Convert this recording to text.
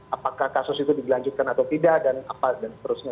apakah kasus itu digelanjutkan atau tidak dan seterusnya